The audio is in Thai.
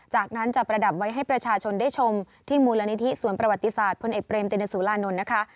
จากนั้นจะประดับไว้ให้ประชาชนได้ชมที่มูลนิธิสวนประวัติศาสตร์พลเอกเบรมเจนสุรานนท์นะคะ